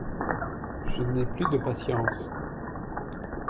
Je n'ai plus de patience.